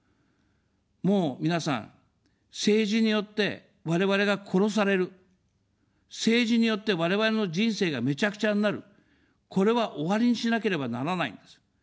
もう皆さん、政治によって我々が殺される、政治によって我々の人生がめちゃくちゃになる、これは終わりにしなければならないんです。